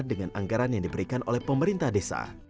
dengan anggaran yang diberikan oleh pemerintah desa